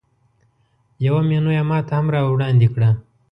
یوه مینو یې ماته هم راوړاندې کړه.